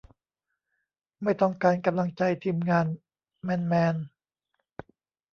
ไม่ต้องการกำลังใจ ทีมงาน แมนแมน